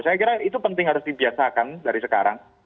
saya kira itu penting harus dibiasakan dari sekarang